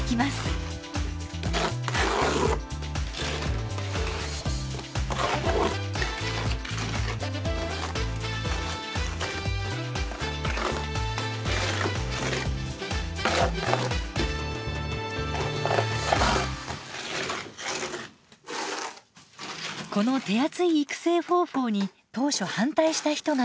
この手厚い育成方法に当初反対した人がいます。